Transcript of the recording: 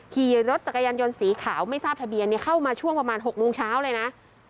ขี่รถจักรยานยนต์สีขาวไม่ทราบทะเบียนเข้ามาช่วงประมาณ๖โมงเช้าเลยนะ